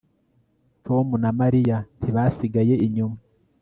Tom na Mariya ntibasigaye inyuma